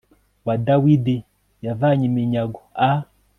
wa dawidi yavanye iminyago a